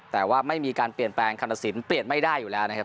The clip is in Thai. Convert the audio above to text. แต่ว่าไม่มีการเปลี่ยนแปลงคำตัดสินเปลี่ยนไม่ได้อยู่แล้วนะครับ